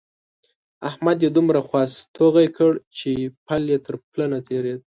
احمد يې دومره خوا ستغی کړ چې پل يې تر پله نه تېرېد.